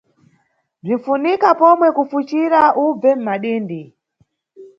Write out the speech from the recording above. Bzinʼfunika pomwe kufucira ubve mʼmadindi.